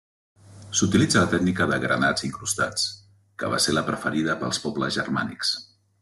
S'utilitza la tècnica de granats incrustats, que va ser la preferida pels pobles germànics.